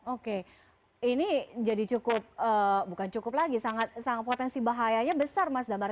oke ini jadi cukup bukan cukup lagi potensi bahayanya besar mas damar